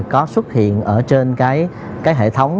có xuất hiện ở trên cái hệ thống